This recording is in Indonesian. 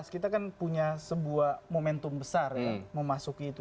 kita kan punya sebuah momentum besar ya memasuki itu